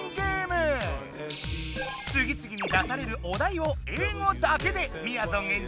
次々に出されるお題を英語だけでみやぞん